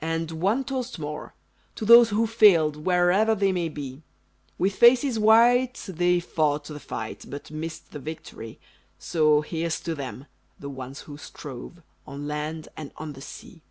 And one toast more! To those who failed Wherever they may be; With faces white they fought the fight, But missed the victory; So here's to them the ones who strove On land and on the sea!